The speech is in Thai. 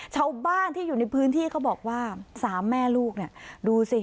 ชาวบ้านที่อยู่ในพื้นที่เขาบอกว่าสามแม่ลูกเนี่ยดูสิ